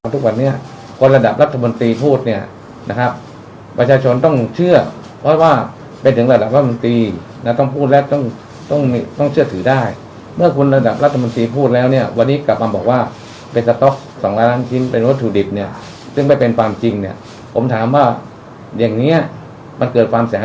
ทุกวันนี้คนระดับรัฐมนตรีพูดเนี่ยนะครับประชาชนต้องเชื่อเพราะว่าเป็นถึงระดับรัฐมนตรีนะต้องพูดและต้องต้องเชื่อถือได้เมื่อคุณระดับรัฐมนตรีพูดแล้วเนี่ยวันนี้กลับมาบอกว่าเป็นสต๊อกสองล้านชิ้นเป็นวัตถุดิบเนี่ยซึ่งไม่เป็นความจริงเนี่ยผมถามว่าอย่างเงี้ยมันเกิดความเสียหาย